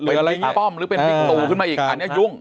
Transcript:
ไปลิ้งป้อมหรือเป็นบิ๊กตูขึ้นมาอีกอันนี้ยุ่ง